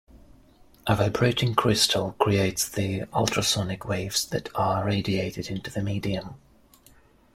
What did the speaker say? A vibrating crystal creates the ultrasonic waves that are radiated into the medium.